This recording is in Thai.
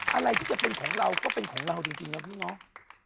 อะไรที่จะเป็นของเราก็เป็นของเราจริงนะพี่น้อง